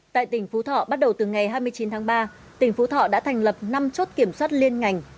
tại tỉnh phú thọ bắt đầu từ ngày hai mươi chín tháng ba tỉnh phú thọ đã thành lập năm chốt kiểm soát liên ngành